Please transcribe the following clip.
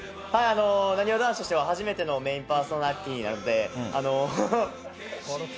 なにわ男子としては初めてのメインパーソナリティーなので。